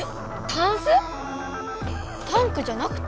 タンス⁉タンクじゃなくて？